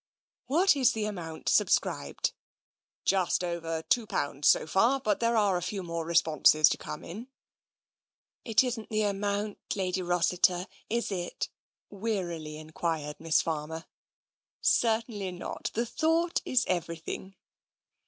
" What is the amount subscribed ?"" Just over two pounds, so far, but there are a few more responses to come in." " It isn't the amount. Lady Rossiter, is it? " wearily enquired Miss Farmer. " Certainly not. The thought is everything.''